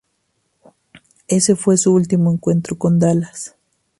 Ese fue su último encuentro con Dallas.